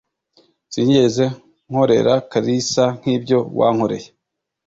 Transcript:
Sinigeze nkorera kalisa nk'ibyo wankoreye.